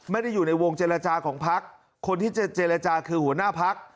ไม่ได้อยู่ในวงเจรจาของพักคนที่จะเจรจาคือหัวหน้าพัก